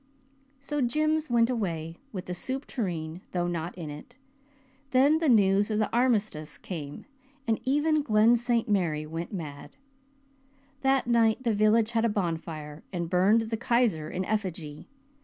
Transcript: So Jims went away with the soup tureen, though not in it. Then the news of the Armistice came, and even Glen St. Mary went mad. That night the village had a bonfire, and burned the Kaiser in effigy.